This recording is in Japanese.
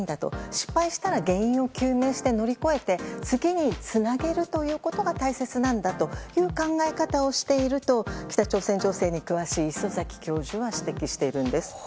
失敗したら原因を究明して乗り越えて次につなげるということが大切なんだという考え方をしていると北朝鮮情勢に詳しい礒崎教授は指摘しているんです。